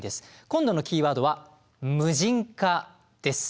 今度のキーワードは「無人化」です。